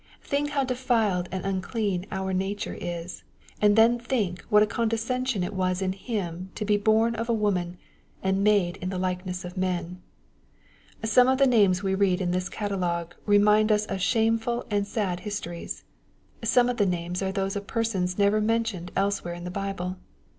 Think how defiled and unclean our nature is ; and then think what a condescension it was in Him to be bom of a woman, and ^^ made in the likeness of men/' Some of the names we read in this catalogue remind us of shameful and sad histories. Some of the names are those of per sons never mentioned elsewhere in the Bible.